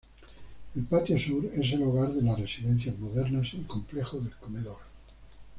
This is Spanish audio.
El "Patio Sur" es el hogar de las residencias modernas y complejo del comedor.